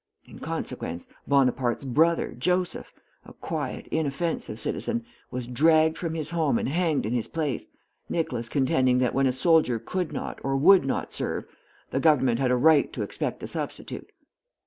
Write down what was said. In consequence, Bonaparte's brother, Joseph, a quiet, inoffensive citizen, was dragged from his home and hanged in his place, Nicholas contending that when a soldier could not, or would not, serve, the government had a right to expect a substitute.